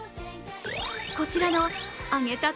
こちらの揚げたて